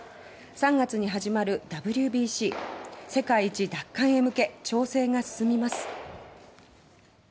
３月に始まるＷＢＣ世界一奪還へ向け調整が進みます。